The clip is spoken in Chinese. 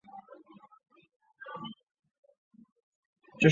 拉希德街是伊拉克巴格达市中心的重要街道之一。